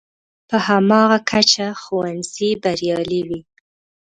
په هماغه کچه ښوونځی بریالی وي.